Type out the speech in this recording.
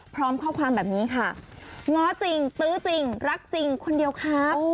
พร้อมข้อความแบบนี้ค่ะง้อจริงตื้อจริงรักจริงคนเดียวครับ